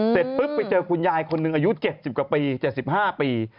เสร็จปุ๊บไปเจอคุณยายคนหนึ่งอายุ๗๐กว่าปี๗๕ปี